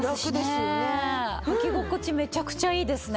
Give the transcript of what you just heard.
履き心地めちゃくちゃいいですね。